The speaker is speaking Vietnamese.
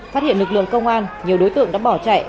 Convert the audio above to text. phát hiện lực lượng công an nhiều đối tượng đã bỏ chạy